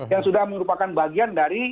yang sudah merupakan bagian dari